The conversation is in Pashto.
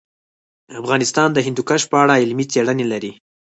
افغانستان د هندوکش په اړه علمي څېړنې لري.